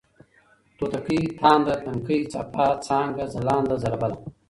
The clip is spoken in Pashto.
توتکۍ ، تانده ، تنکۍ ، څپه ، څانگه ، ځلانده ، ځلبله